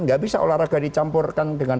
nggak bisa olahraga dicampurkan dengan